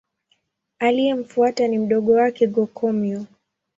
Aliyemfuata ni mdogo wake Go-Komyo.